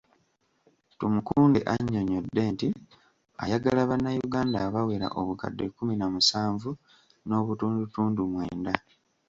Tumukunde annyonnyodde nti ayagala bannayuganda abawera obukadde kumi na musanvu n'obutundutundu mwenda.